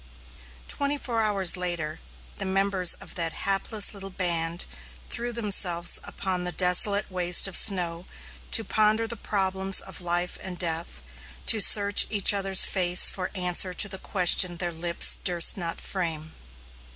Twenty four hours later, the members of that hapless little band threw themselves upon the desolate waste of snow to ponder the problems of life and death; to search each the other's face for answer to the question their lips durst not frame.